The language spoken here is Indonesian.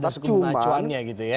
ada suku bunga acuannya gitu ya